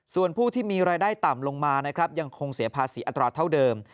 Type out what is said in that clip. ส่วนผู้ที่มีรายได้ต่ำลงมานะครับยังคงเสียภาษีอัตราเท่าเดิม